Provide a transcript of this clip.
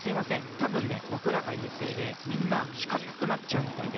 たぶんねぼくらがいるせいでみんなしかくくなっちゃうみたいで。